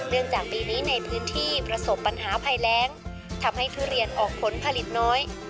จากปีนี้ในพื้นที่ประสบปัญหาภัยแรงทำให้ทุเรียนออกผลผลิตน้อย